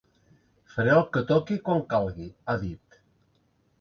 “Faré el que toqui quan calgui”, ha dit.